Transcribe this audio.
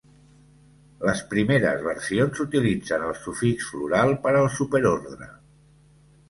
Les primeres versions utilitzen el sufix floral per al superordre.